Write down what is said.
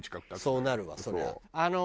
そうなるわそりゃ。